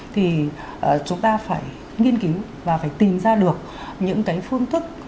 thì chúng ta phải nghiên cứu và phải tìm ra được những cái phương thức